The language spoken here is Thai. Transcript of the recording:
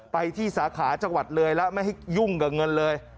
ไปที่สาขาจังหวัดเลยแล้วไม่ให้ยุ่งกับเงินเลย